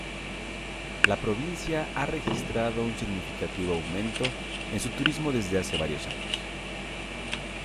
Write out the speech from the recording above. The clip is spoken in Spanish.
La provincia ha registrado un significativo aumento en su turismo desde hace varios años.